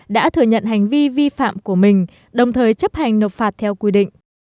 đã thừa nhận hành vi vi phạm của mình đồng thời chấp hành nộp phạt theo quy định